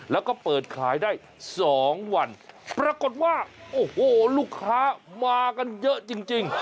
แล้วก็เปิดขายได้๒วันปรากฏว่าโอ้โหลูกค้ามากันเยอะจริง